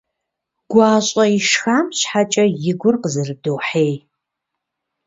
ГуащӀэ ишхам щхьэкӀэ и гур къызэрыдохьей.